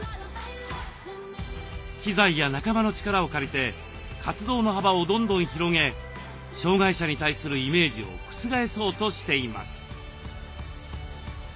機材や仲間の力を借りて活動の幅をどんどん広げ障害者に対するイメージを覆そうとしています。